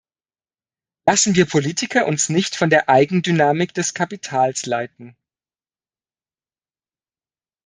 Lassen wir Politiker uns nicht von der Eigendynamik des Kapitals leiten!